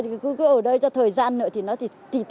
gia chủ bảo đổ ra ngoài này à